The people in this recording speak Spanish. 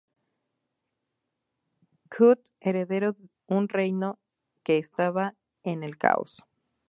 Qutb heredó un reino que estaba en el caos.